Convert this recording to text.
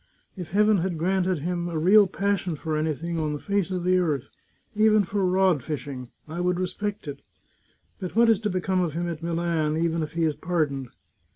If Heaven had granted him a real passion for any 122 The Chartreuse of Parma thing on the face of the earth — even for rod fishing — I would respect it. But what is to become of him at Milan, even if he is pardoned?